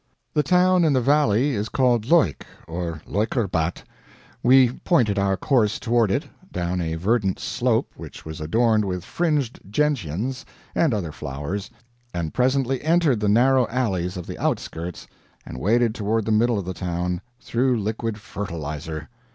The town in the valley is called Leuk or Leukerbad. We pointed our course toward it, down a verdant slope which was adorned with fringed gentians and other flowers, and presently entered the narrow alleys of the outskirts and waded toward the middle of the town through liquid "fertilizer."